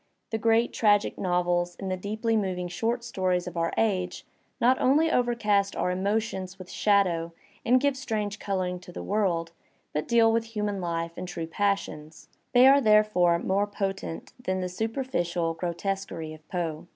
The great tragic novels and the deeply mov ing short stories of our age not only overcast our emotions with shadows and give strange colouring to the world, but deal with human life and true passions; they are therefore more potent than the superficial grotesquery of Poe.